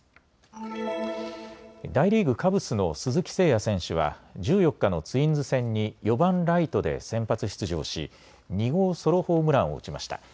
大リーグ、カブスの鈴木誠也選手は１４日のツインズ戦に４番・ライトで先発出場し２号ソロホームランを打ちました。